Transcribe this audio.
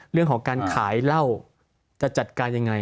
เรื่องของการขายเหล้าจะจัดการยังไง